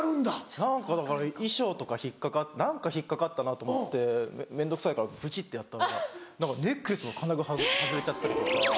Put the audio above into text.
何かだから衣装とか何か引っ掛かったなと思って面倒くさいからブチってやったらネックレスの金具外れちゃったりとか。